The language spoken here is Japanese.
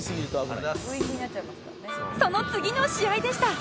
その次の試合でした！